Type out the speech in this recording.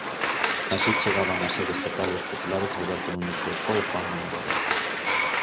Así chegaban á sede estatal dos populares Alberto Núñez Feijóo e Juanma Moreno.